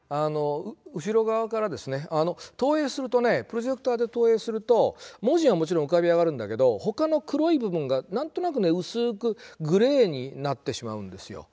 プロジェクターで投影すると文字はもちろん浮かび上がるんだけどほかの黒い部分が何となく薄くグレーになってしまうんですよ。